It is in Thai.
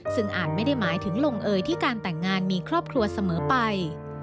ซึ่งอาจไม่ได้หมายถึงลงเอยที่การแต่งงานมีครอบครัวเสมอไป